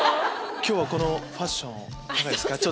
今日はこのファッションいかがですか？